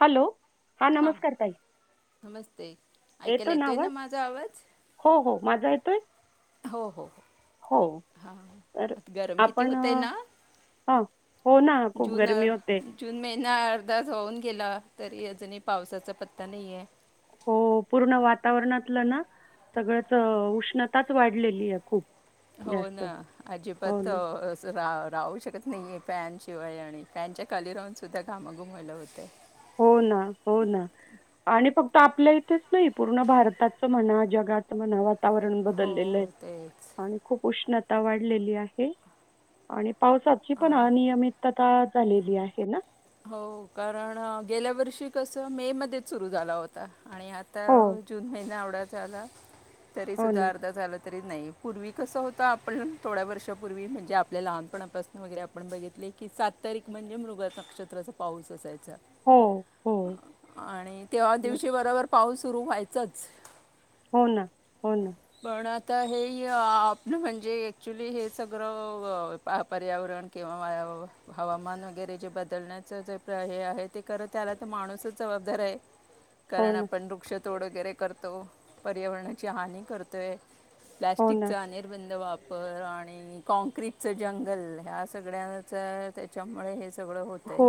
Hello, हा हां नमस्कार ताई. नमस्ते ऐकायला येतो ना येतोय आवाज? माझा आवाज हो हो, माझा येतोय? हो हो हो हा तर हा. गरम किती आपण हुतय अ, ना? हा हो ना खूप जून गरमी होते जून महिना अर्धाच होऊन गेला. तरी अजूनही पावसाचा पत्ता नाहीेये. हो पूर्ण वातावरणातलं ना सगळंच उष्णताच वाढलेली आहे खूप. हो जास्त ना हो अजिबात ना जरा. राहू शकत नाहीये, पॅनशिवाय आणि पॅनच्या खली राहून सुद्धा घामा घुमवलं होते. हो ना हो ना आणि फक्त आपल्या इथेच नाही, पूर्ण भारताचं म्हणा जगाच म्हणा वा वातावरण बदललेलं आहे. हो तेच आणि खूप उष्ण. वाढलेली आहे आणि. पावसाची पण आणि अनियमितता. ता झालेली आहे ना हो कारण गेल्या वर्षी कस मे मध्येच सुरू झाला होता आणि आता हो जून महिना आवडा. झाला. तरी हो ना सुधा अर्धा झालं. तरी नाही पूर्वी कसं होत. आपण थोड्या वर्षापूर्वी म्हणजे, आपल्या लहानपणापासून वगैरे आपण बघितले की, सात तारीख म्हणजे मृग नक्षत्र. त्राचा पाऊसच असा आहे. चाल हो हो आ आ आ आणि तेव्हा दिवशी बरोबर. पाऊस सुरू व्हायचंच. हो ना हो ना. तर हे आपलं म्हणजे ॲक्च्युली हे सगळं, पर्यावरण किंवा हवामान वगैरे जे बदलण्यात. हे आहे. ते करत त्याला तर माणूसच जबाबदार आहे. हो कारण ना, आपण वृक्ष. तोड वगैरे करतो पर्यावरणाची हानी करतोय. हो प्लाॅस्टिक ना. चा अ निर्बंध वाप बर आणि कॉँक्रीटच जंगल ह्या सगळ्यांच त्याच्यामुळे हे सा सगळं होतय. हो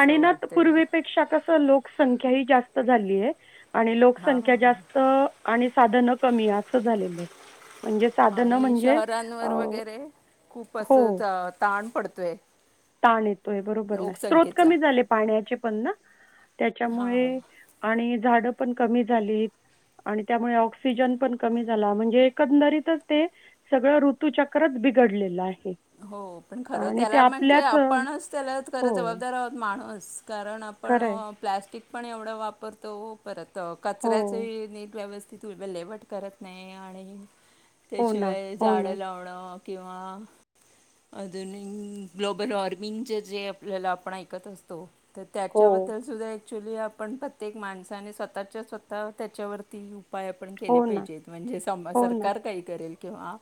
आणि ना त पूर्वीपेक्षा कस लोकसंख्या ही जास्त झा झालीय. आणि हां लोकसंख्या जास्त आणि साधन कमी अस झालेलंय आणि शहरांवर वगैरे खूप हो, असं ताण पडत ते ताण येतोय बरोबर ना स्त्रोत कमी झाले पाण्याचे पण ना हां त्याच्यामुळे आणि झाड पण कमी झालीत आणि त्यामुळे ऑक्सिजन पण कमी झाला म्हणजे एकंदरीतच ते सगळं ऋतूचक्रच बिघडलेलं आहे. हो पण खर आणि ते त्याला म्हणजे आपल्याच अ, आपणच त्याला खरं हो, जबाबदार आहोत माणूस [inaudible] कारण आपण खरं आहे. प्लॅस्टिक पण एवढं वापरतो परत त हो. कचऱ्याचे नीट व्यवस्थ ति तू विल्हेवाट करत नाही आणि हो ना, त्याशिवाय हो झाडं ना. लावणं किंवा अधुनिंग ग्लोबल वॉर्मिंगचे जे आपल्याला आपण ऐकत असतो तर हो. त्याच्याबद्दल सुद्धा एक ॲक्च्युली आपण प्रत्येक माणसाने स्वतःच्या स्वतः त्याच्यावरती उपा उपाय आपण केले हो ना, पाहिजेत म्हणजे सम हो ना, सरकार काही करेल किंवा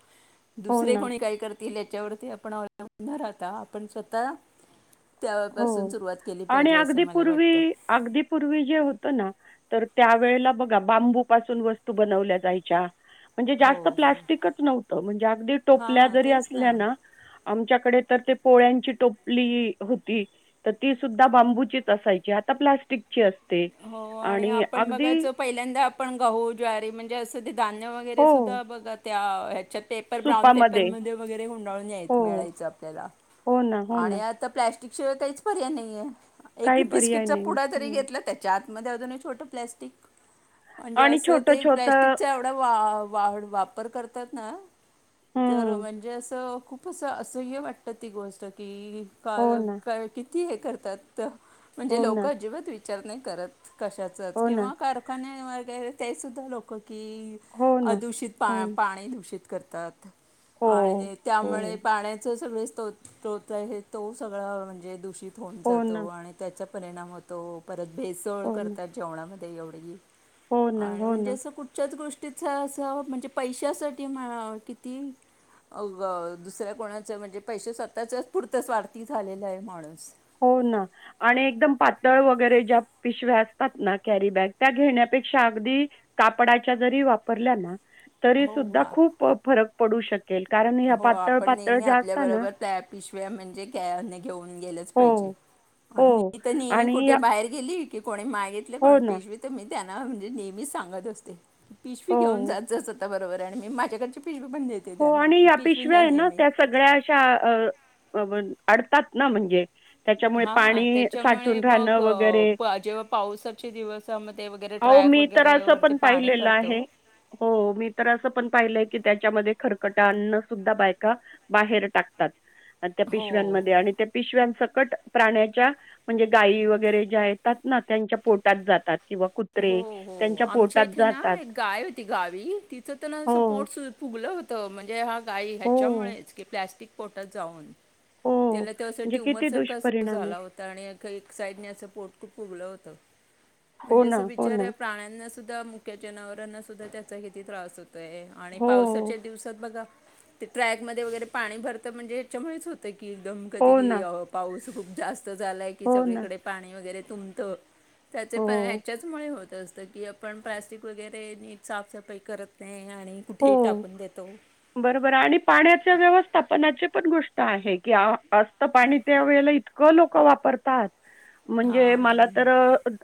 हो दुसरे ना, कोणी काय करत तील याच्यावरती आपण [unintelligible] आपण स्वतः हो त्यापासून सुरुवात केली आणि पाहिजे असं अगदी मला पूर्वी वाटतं अगदी पूर्वी जे होत ना तर त्या वेळेला बघा बांबू पासून वस्तू बनवल्या जायच्या म्हणजे हो जास्त हो प्लास्टिकच नव्हत म्हणजे अगदी टोपल्या हां जरी तेच असल्या ना आमच्याकडे तर ते पोळ्यांची टोपली हो ती तर ती सुद्धा बांबूचीच असायची आता प्लास्टिकची असते हो आणि आपण बघायचो पहिल्यांदा आपण गहू ज्वारी म्हणजे अस ते धान्य वगैरे हो, सुद्धा बघत त्या ह्याच्यात पेपर ब्राऊन सुपामध्ये. पेपरमध्ये वगैरे गुंडाळून याय हो, मिळायचा आपल्याला हो ना, हो ना. आणि आता प्लस्टिक त्याशिवाय काहीच पर्याय नाहियेत एक काही पर्याय बिस्किटचा नाही. पुडा जरी हो. घेतला त्या त्यातमध्ये अजूनही छोटं प्लाॅस्टिक म्हणजे आणि असं ते छोटं-छोटं प्लस्टिकचा एवढा वा वाढ वापर करतात ना तर हं. म्हणजे असं खूप तसं असं हे वाटतं ती गोष्ट की का हो ना, का किती किती हे करतात त म्हणजे हो ना, लोक अजिबात विच विचार नाही करत कशाचच हो ना, किंवा कारखान्यावर ते ते सुद्धा लोक की हो ना, अदूषित हो पा ना. पाणी दूषित. करतात. हो, आणि हो. त्यामुळे पाण्याच सगळे हे तो तो सगळा म्हणजे दूषित. थोन हो ना, जातो आणि त्याच्यात. परिणाम होतो. परत, भेसळ हो ना, करतात जेवणामध्ये. ते एवढी हो ना, आणि हो म्हणजे ना, असं कुठच्याच गोष्टी त्याचं असं म्हणजे पैशासाठी म्हणा किती अग दुसऱ्या कोणाचं म्हणजे पैसे स्वतःच्याच पुरते स्वार्थी झालेला आहे माणूस. हो ना आणि एकदम पातळ वगैरे ज्या पिशव्या असतात ना कॅरी बॅग त्या घेण्यापेक्षा अगदी कापडाच्या जरी वापरल्या ना तरी हो सुद्धा आ- खूप फरक पडू शक हो आपण नेहमी आपल्या ना बरोबर प पिशव्या म्हणजे क घेऊन गेले हो, पाहिजे आणि हो. मी तर नेहमी आणि कुठे या बाहेर गेली? की कोणी माय घेतले हो पण ना. पिशवी तर मी त्यांना म्हणजे नेहमीच सांगत असते. पिशवी घेऊन हो. जात जा सतत. बरोबर आणि मी माझ्याकड पिशवी बन देते हो त्यांना. आणि या पिशव्या आहे ना त्या सगळ्या अशा अ अडतात ना म्हणजे. त्याच्यामुळे हा पाणी त्याच्यामुळे साठून मग राहणं वगैरे. जेव्हा पावसाचे दिवसमध्ये वगैरे अहो ट्रक मी तर वगैरे असं वरती पण पाणी पाहिलेलं भरतो. आहे कि त्याच्यामध्ये खरकटांना सुद्धा बायका बाहेर टाकतात. त्या हो. पिशव्यांमध्ये आणि त्या पिशव्यांच कट प्राण्याच्या म्हणजे गायी वगैरे ज्या येतात ना त्यांच्या पोटात जातात. किंवा हो कुत्रे हो. त्यांच्या आमच्या पोटात इथे ना जातात. एक गाय होती गावी तिच तर हो, पोट फुगलं हो त म्हणजे हा गायी ह्याच्या हो, मुळेच की प्लास्टिक पोटांत जाऊन हो. त्याला ते असं म्हणजे ट्युमर किती सारखा अस दुष्परिणाम झाला आहे. होता आणि एक साईडने असं पोट खूप फुगलं होत. [inaudible] हो म्हणजे ना, अस हो ना. बिचार्या प्राण्यांना- सुद्धा मुक्या जनावरांना, सुुद्धा त्याचा किती त्रास होतो. ते आणि हो. पावसाच्या दिवसात बघा. ते ट्रॅक मध्ये वगैरे पाणी भरत म्हणजे याच्यामुळेच होतं की. की एकदम कधी हो की ना. यावं पाऊस खूप जास्त. झालंय की हो ना. सगळीकडे पाणी वगैरे. तुंबत. त्याचे हो. पण होत अस की आपण प्लास्टिक वगैरे नीट साफसफाई करत नाही. आणि कुठेही हो टाकून देतो बरोबर आणि पाण्याच्या व्यवस्थापनाचे. पण गोष्ट आहे की आ जास्त पाणी त्यावेेळेला क लोक वापरतात. म्हणजे हां मला तर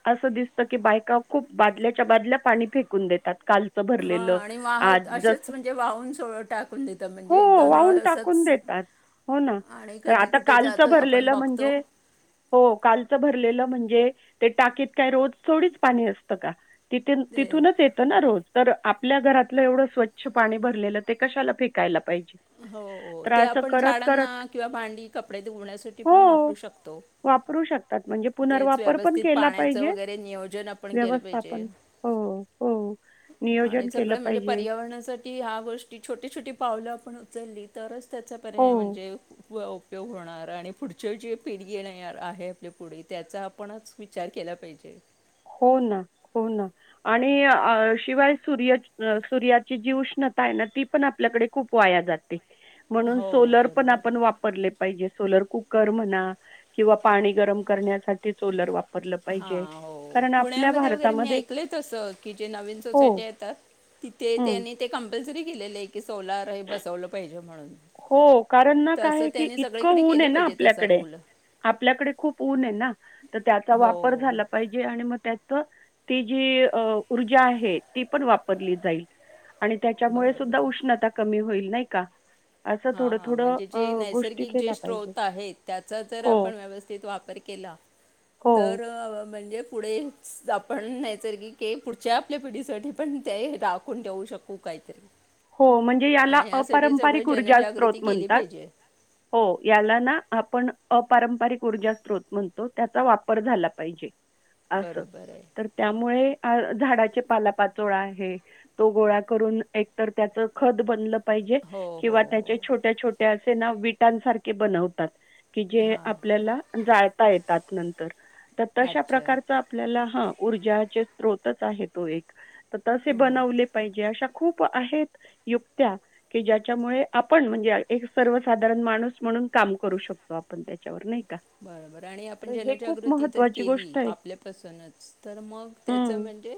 अस दिस इतकं की बायका खूप बादल्याच्या बादल्या पाणी फेकून देतात कालचं हां भरलेलं. आणि वाहत असेच म्हणजे वाहून सोड टाकून देतं हो म्हणजे एकदा नळ वाव्हून टाकून असंच देतात, हो ना आणि कधी आता कुठे कालच जातो भरलेल आपण म्हणजे, बघतो हो कालच भरलेल म्हणजे. ते टाकीत काय रोज थोडीच पाणी असतं का तिथे ते तिथूनच येतं ना रोज तर आपल्या घरात आपलं एवढं स्वच्छ पाणी भरलेलं ते कशाला फेकायला पाहि हो हो ते आपण झाडांना किंवा भांडी, कपडे धुवण्यासाठी हो पण वापरू शकतो. वापरू शकतात म्हणजे तेच पुनर्वापर पण व्यवस्थित केला पाण्याचं पाहिजे वगैरे नियोजन आपण केलं पाहिजे व्यवस्थापन हो हो आणि नियोजन केलं सगळं म्हणजे. पाहिजे पर्यावरणासाठी ह्या गोष्टी छोटी, छोटी पावलं आपण उचलली तरच त्याचा पर्याय हो म्हणजे व. उपयोग होणार आणि पुढचे जे पिढी येणार आहे, आपल्या पुढे त्याचा आपणच विचार केला पाहिजे. हो ना, हो ना आणि शिवाय सूर्य सूर्याची जी उष्णता आहे ना, ती पण आपल्याकडे खूप वाया जाते. म्हणून हो सोलर पण आपण बरोबर वापरले पाहिजे सोलर कु कर म्हणा किंवा पाणी गरम करण्यासाठी सोलर वाप रलं पाहिजे. हां कारण आपल्या पुण्यामध्ये वगैरे मी भारतामध्ये ऐकल त अस की जे नवीन हो, सोसायटी येतात तिथे हं. त्यांनी ते कंपल्सरी गेलेले आहे की सोलार हे बसवलं पाहिजे. म्हणून हो कारण ना तसं काय की त्यांनी सगळीकडे इतकं ऊन केलं आहे ना पाहिजे तसं आपल्याकडे रूल आपल्याकडे खूप ऊन आहे ना. तर त्याचा वापर हो झाला पाहिजे आणि मग ती जी ऊर्जा आहे ती पण वापरली जाईल. आणि त्याच्यामुळे सुद्धा बरोबर उष्णता कमी होईल. नाही का. असं हा थोडं-थोडं म्हणजे अ, जे गोष्टी नैसर्गिक जे केल्या पाहिजेत. स्रोत आहेत त्याचा जर हो, आपण व्यवस्थित वापर केला हो, तर म्हणजे पुढे आपण नैसर्गिक पुढच्या आपल्या पिढीसाठी पण ते राखून ठेऊ शकू काहीतरी. हो म्हणजे याला आणि यासाठी सगळं अपारंपरिक ऊर्जा जनजागृती स्त्रोत केली म्हणतात पाहिजे हो याला ना आपण अपारंपरिक ऊर्जा स्त्रोत म्हणतो त्याचा वापर झाला पाहिजे. अस बरोबर आहे तर त्यामुळे झाडाचे पाला पाचोळा आहे तो गोळा करून एक तर त्याच खत बनलं पाहिजे हो हो किंवा हो त्याच्या छोट्या छोट्या विटांसारखे बनतात. की जे हां आपल्याला जाळता येत. त्यात नंतर तर तशा अच्छा प्रकारच आपल्याला हा ऊर्जाचे होतच आहे तो एक. तर तसे हो बनवले पाहिजे अशा खूप आहेत युत्या की ज्याच्यामुळे आपण म्हणजे एक सर्वसाधारण माणूस म्हणून काम करू शकतो आप बरोबर आणि आपण तर हे खूप जनजागृती जर महत्त्वाची केली गोष्ट आहे. आपल्यापासूनच तर मग त्याच हं. म्हणजे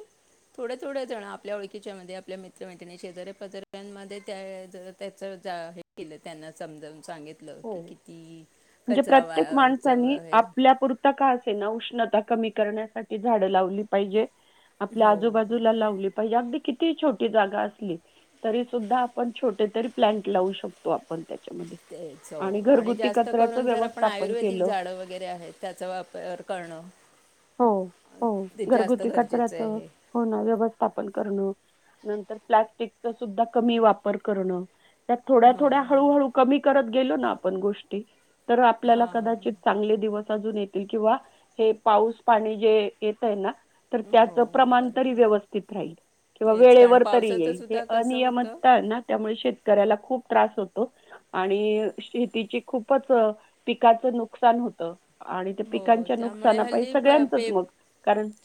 थोड थोड जणं आप आपल्या ओळखीच्यामध्ये आपल्या मित्रमैत्रिणी शेजाऱ्या पाजाऱ्यांमध्ये त्या त्याचं जा हे केलं त्यांना समजावून सांगितलं की हो. किती म्हणजे कधी प्रत्येक माणसानी आपल्यापुरते का असे ना उष्णता कमी करण्यासाठी झाड लावली पाहिजे. आपल्या हो आजूबाजूला लावले. हिजे अगदी किती ही छोटी जागा असली तरी सुद्धा आपण छोट कुठेतरी प्लॅंट लावू शकतो आप पण त्याच्यामध्ये तेच हो आणि घरगुती जास्त कचऱ्याचं करून जर आपण व्यवस्थापन आयुर्वेदिक केलं झाड वगैरे आहेत त्याचा वापर करणं. होय ते होय जास्त घरगुती गरजेचं कचऱ्याचं आहे होण व्यवस्थापन करणं. नंतर प्लॅस्टिक चा सुद्धा कमी वापर करणं- थोड्या हो थोड्या हळू हळू कमी करत केलो ना आपण गोष्टी तर आपल्याला हां कदाचित चांगले दिवस अजून येतील किंवा हे पाऊस पाणी जे येतय ना तर त्याच हो प्रमाण तरी बरोबर व्यवस्थित राहील किंवा तेच कारण वेळेवर तरी पावसाचं येईल. हे सुद्धा कसं होतं अनियमितता ये ना त्यामुळे शेतकऱ्याला खूप त्रास होतो आणि शेतीची खूपच, पिकाचं नुकसान होतं आणि त्या हो पिकांच्या त्यामुळे नुकसाना पाई हल्ली प पे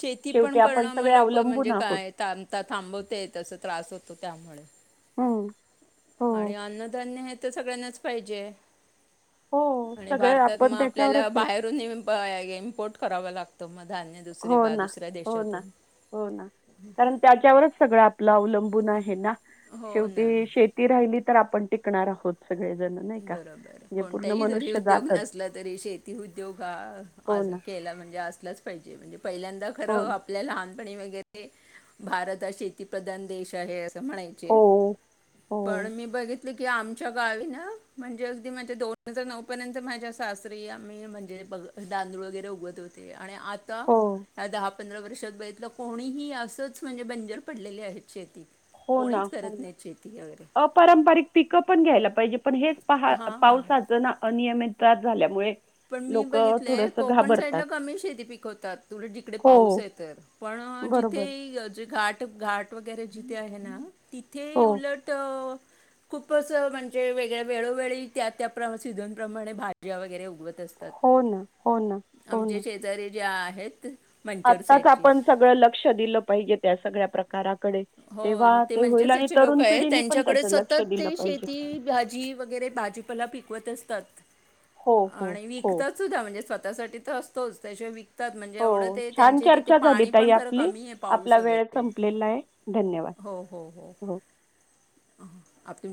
शेती पण आपण करणं सगळे लोक अवलंबून म्हणजे आहोत काय था थांबवते तस त्रास होतो त्यामुळे. होय. आणि अन्नधान्य हे तर सगळ्यांनाच पाहिजे. हो आणि सगळे भारतात आपण मग ते त्याच्यावरच आपल्याला आहे बाहेरून इम्प इम्पोर्ट करावा लागतं. तो म्ह हो ना हो ना हो ना कारण त्याच्यावरच सगळं आपलं अवलंबून आहे ना? हो ना शेवटी शेती राहिली तर आपण टिकणार आहोत. सगळेजण नाही का बरोबर म्हणजे पूर्ण कोणताही जरी मनुष्य उद्योग जातच नसला तरी, शेती उद्योग हा हो आज ना केला म्हणजे असलाच पाहिजे म्हणजे पहिल्यांदा हो खरं ना आपल्या लहान पणी वैगेरे भारत हा शेती प्रधान देश आहे- म्हणायचे हो हो पण मी बघित म्हटल की आमच्या गावी ना म्हणजे अगदी माझ्या दोन हजार नऊ पर्यंत माझ्या सासरी आम्ही म्हणजे तांदूळ वगैरे उगवत होतोया. आणि आता? हो या दहा पंधरा वर्षात बघितलं. कोणीही असंच म्हणजे बंजर पडलेली आहे शेती हो -ना, कोणीच हो- करत नाहीत शेती वगैरे ना अपारंपरिक पिकं पण घ्यायला पाहिजे पण हेच पहा हां हां पावसाचा ना अनियमित त्रास झाल्यामुळे पण मी लोक बघितले, थोडस कोकण घाबरतात साईडला कमी शेती पिकवतात. उलट तिकडे हो पाऊस आहे तर पण बरोबर जिथे घट घाट वगैरे जिथे आहे आहे ना तिथे हो उलट खूप असं म्हणजे वेगळ्यावेगळ्या, वेळोवेळी त्या त्या सिझन प्रमाणे भाज्या वगैरे उगवथ हो ना, हो ना, हो ना ज्या आहेत मंचर आत्ताच साईडची आपण सगळं लक्ष दिलं पाहिजे त्या सगळ्या प्रकाराकडे हो तेव्हा ते मंचचे होईल आणि साईडचे लोक तरुण आहे पिढीने पण त्यांच्याकडे त्याच्यात लक्ष सतत दिलं ते पाहिजे शेती भाजी वगैरे भाजीपला पिकवत असतात हो हो आणि हो विकतात सुद्धा म्हणजे स्वतःसाठी तर असत तोच त्याच्या विक त्यात एवढं हो ते छान त्यांचे तिथे चर्चा झाली पाणी ताई पण खरं आपली कमी आहे पाऊस आपला वेळ वगैरे संपलेला आहे धन्यवाद हो, हो, हो आपण